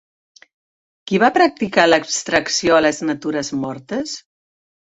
Qui va practicar l'abstracció a les natures mortes?